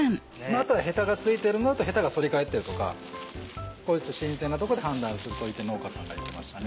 あとはヘタが付いてるのとヘタが反り返ってるとか新鮮なとこで判断するといいって農家さんが言ってましたね。